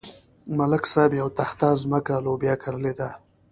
ملک صاحب یوه تخته ځمکه لوبیا کرلې ده.